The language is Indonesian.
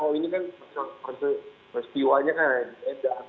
oh ini kan peristiwanya kan di medan